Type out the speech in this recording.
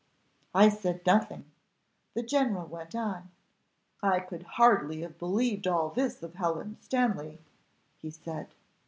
I said nothing. The general went on: 'I could hardly have believed all this of Helen Stanley,' he said.